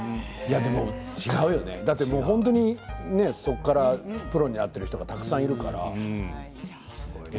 でも本当にそこからプロになっている人がたくさんいるから、違うよね。